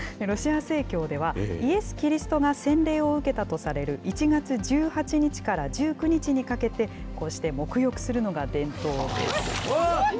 ロシア正教ではイエス・キリストが洗礼を受けたとされる１月１８日から１９日にかけて、こうしてもく浴するのが伝統です。